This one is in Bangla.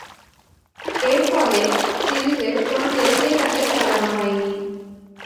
এরফলে, সিরিজের কোন টেস্টেই তাকে খেলানো হয়নি।